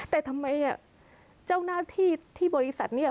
แต่ทำไมเจ้าหน้าที่ที่บริษัทเนี่ย